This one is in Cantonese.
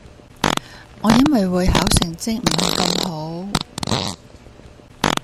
我因為會考成績唔係咁好